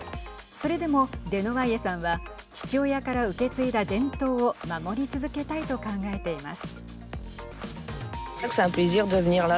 それでもデノワイエさんは父親から受け継いだ伝統を守り続けたいと考えています。